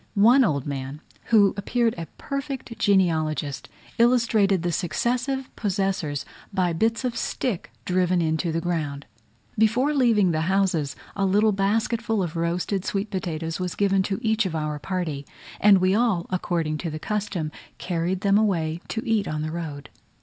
One old man, who appeared a perfect genealogist, illustrated the successive possessors by bits of stick driven into the ground. Before leaving the houses a little basketful of roasted sweet potatoes was given to each of our party; and we all, according to the custom, carried them away to eat on the road.